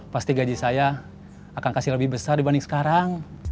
pasti gaji saya akan kasih lebih besar dibanding sekarang